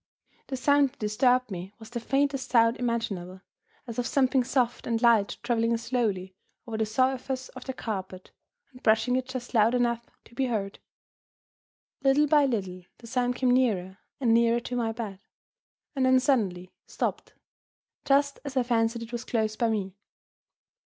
The sound that disturbed me was the faintest sound imaginable, as of something soft and light traveling slowly over the surface of the carpet, and brushing it just loud enough to be heard. Little by little, the sound came nearer and nearer to my bed and then suddenly stopped just as I fancied it was close by me.